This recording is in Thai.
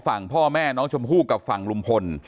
ฝั่งพ่อแม่น้องชมพู่กับฝั่งลุงพล